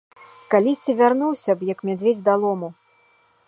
Калісьці вярнуўся б, як мядзведзь да лому.